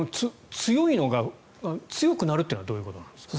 強くなるというのはどういうことなんですか？